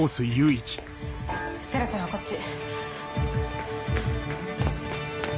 星来ちゃんはこっち。